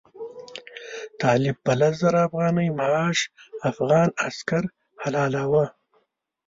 طالب په لس زره افغانۍ معاش افغان عسکر حلالاوه.